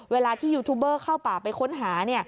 เวลาที่ยูทูบเบอร์เข้าป่าไปค้นหา